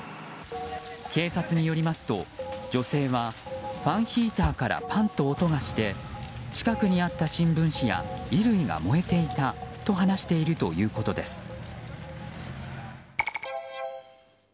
警察によりますと、女性はファンヒーターからパンと音がして近くにあった新聞紙や衣類が燃えていたと話しているということです。